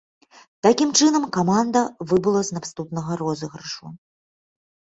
Такім чынам, каманда выбыла з наступнага розыгрышу.